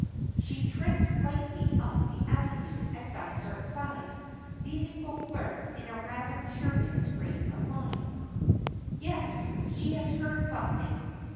She trips lightly up the avenue at Dysart's side, leaving Beauclerk in a rather curious frame of mind. "Yes, she has heard something!"